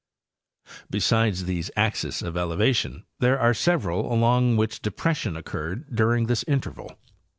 Besides these axes of elevation there are several along which depression occurred during this interval.